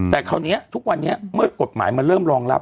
แต่คราวนี้ทุกวันนี้เมื่อกฎหมายมันเริ่มรองรับ